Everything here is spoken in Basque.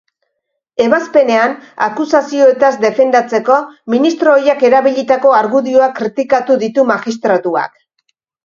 Ebazpenean, akusazioetaz defendatzeko ministro ohiak erabilitako argudioak kritikatu ditu magistratuak.